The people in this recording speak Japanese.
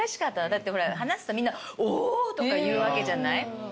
だってほら話すとみんな「お！」とか言うわけじゃない？